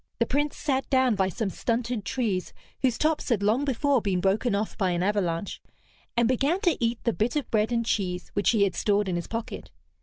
The Prince sat down by some stunted trees whose tops had long before been broken off by an avalanche, and began to eat the bit of bread and cheese which he had stored in his pocket.